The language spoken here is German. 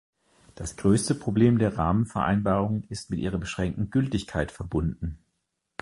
Das größte Problem der Rahmenvereinbarung ist mit ihrer beschränkten Gültigkeit verbunden.